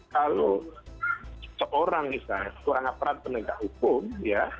kalau seorang misalnya seorang aparat penegak hukum ya